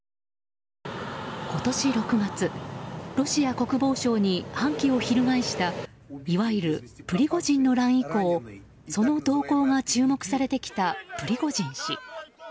今年６月ロシア国防省に反旗を翻したいわゆるプリゴジンの乱以降その動向が注目されてきたプリゴジン氏。